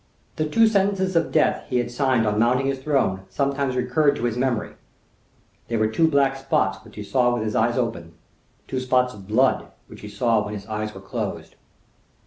The two sentences of death he had signed on mounting his throne sometimes recurred to his memory; they were two black spots which he saw with his eyes open; two spots of blood which he saw when his eyes were closed.